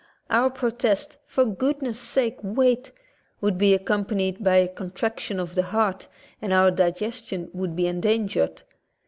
Our protest, "For goodness sake, wait," would be accompanied by a contraction of the heart and our digestion would be en dangered.